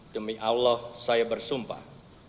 demi allah saya bersumpah